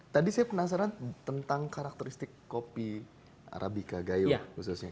tadi saya penasaran tentang karakteristik kopi arabica gayung khususnya